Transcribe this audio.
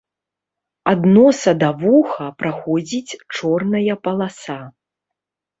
Ад носа да да вуха праходзіць чорная паласа.